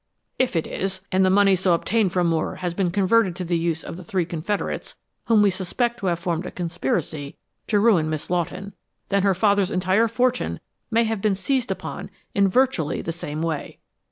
If it is, and the money so obtained from Moore has been converted to the use of the three confederates whom we suspect to have formed a conspiracy to ruin Miss Lawton, then her father's entire fortune might have been seized upon in virtually the same way."